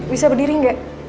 bisa berdiri gak